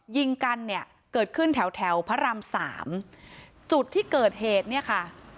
ยิงกันเนี่ยเกิดขึ้นแถวแถวพระรามสามจุดที่เกิดเหตุเนี่ยค่ะ